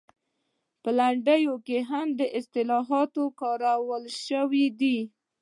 په لنډیو کې هم اصطلاحات کارول شوي دي